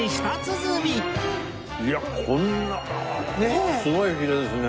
いやあこんなああこれはすごいヒレですね。